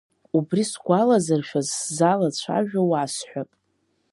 Убри сгәалазыршәаз, сзалацәажәо уасҳәап…